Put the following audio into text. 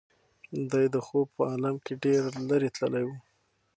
دی د خوب په عالم کې ډېر لرې تللی و.